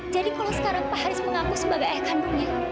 jadi kalau sekarang pak haris mengaku sebagai ayah kandungnya